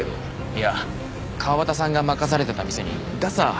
いや川端さんが任されてた店にガサ入ったじゃないですか。